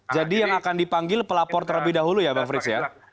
jadi yang akan dipanggil pelapor terlebih dahulu ya bang frits